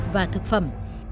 và thực phẩm